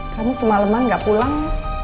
kamu semaleman gak pulang